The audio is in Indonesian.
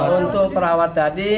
untuk perawat tadi